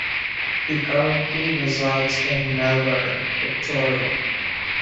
He currently resides in Melbourne, Victoria.